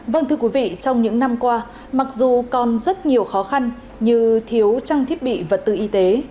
vâng thưa quý vị trong những năm qua mặc dù còn rất nhiều khó khăn như thiếu trang thiết bị vật tư y tế